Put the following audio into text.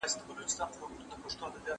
هغه دورې چي سياست پکښې انحصار و تېري سوي دي.